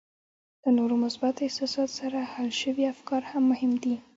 له نورو مثبتو احساساتو سره حل شوي افکار هم مهم دي